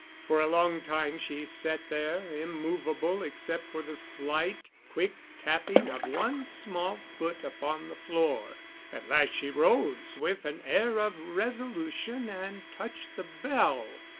For a long time she sat there, immovable except for the slight, quick tapping of one small foot upon the floor. At last she rose with an air of resolution and touched the bell.